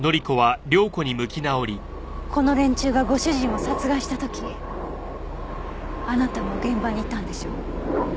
この連中がご主人を殺害した時あなたも現場にいたんでしょう？